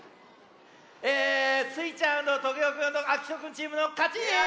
えスイちゃんとトゲオくんとあきとくんチームのかち！